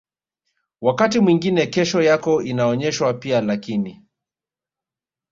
wakati mwingine kesho yako inaonyeshwa pia Lakini